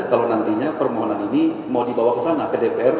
kalau nantinya permohonan ini mau dibawa ke sana ke dpr